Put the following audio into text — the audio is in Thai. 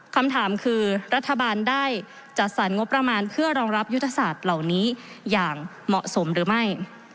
คำถามคือรัฐบาลได้จัดสรรงบประมาณเพื่อรองรับยุทธศาสตร์เหล่านี้อย่างเหมาะสมหรือไม่